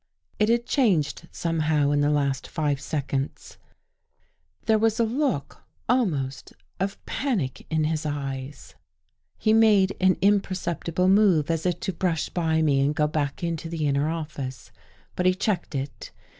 It had changed somehow in the last five seconds. There was a look almost of panic in his eyes. He made 195 THE GHOST GIRL an Imperceptible move as if to brush by me and go back into the inner office. But he checked it.